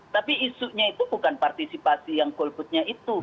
tapi isunya itu bukan partisipasi yang goal putnya itu